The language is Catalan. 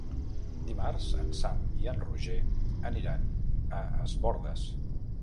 Dimarts en Sam i en Roger aniran a Es Bòrdes.